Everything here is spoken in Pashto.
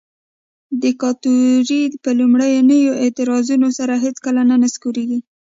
دیکتاتوري په لومړنیو اعتراضونو سره هیڅکله نه نسکوریږي.